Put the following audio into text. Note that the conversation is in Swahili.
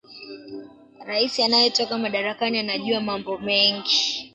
raisi anayetoka madarakani anajua mambo mengi